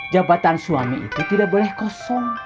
jabatan suami itu tidak boleh kosong